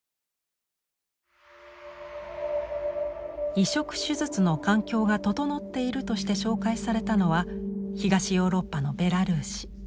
移植手術の環境が整っているとして紹介されたのは東ヨーロッパのベラルーシ。